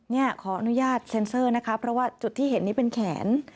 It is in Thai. นี่ขออนุญาตเซ็นเซอร์นะคะเพราะว่าจุดที่เห็นนี้เป็นแขน